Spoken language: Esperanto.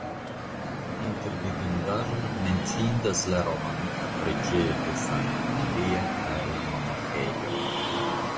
Inter vidindaĵoj menciindas la romanika preĝejo de Sankta Maria kaj la monaĥejo.